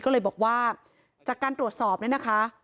ก็เลยบอกว่าจากการตรวจสอบเนี่ยนะคะ